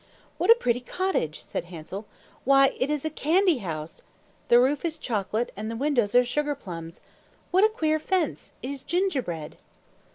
"What a pretty cottage!" said Hansel. "Why, it is a candy house! The roof is chocolate, and the windows are sugar plums. What a queer fence! It is gingerbread!"